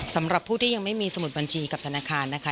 สำหรับผู้ที่ยังไม่มีสมุดบัญชีกับธนาคารนะคะ